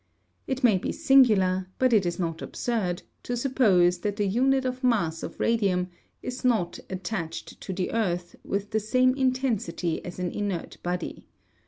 It may be singular, but it is not absurd, to suppose that the unit of mass of radium is not attached to the earth with the same intensity as an inert body.